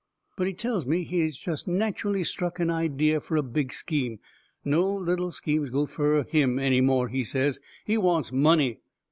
But he tells me he has jest struck an idea fur a big scheme. No little schemes go fur him any more, he says. He wants money.